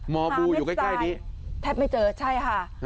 มบูอยู่ใกล้นี้พาเม็ดสไตล์แทบไม่เจอใช่ฮะ